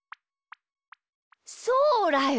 そうだよ！